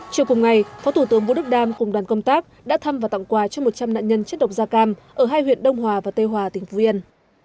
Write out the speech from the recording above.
chiều cùng ngày phó thủ tướng vũ đức đam cùng đoàn công tác đã thăm và tặng quà cho một trăm linh nạn nhân chất độc da cam ở hai huyện đông hòa và tây hòa tỉnh phú yên